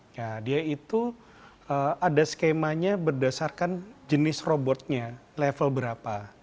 nah dia itu ada skemanya berdasarkan jenis robotnya level berapa